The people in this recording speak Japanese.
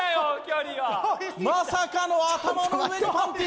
まさかの頭の上にパンティ！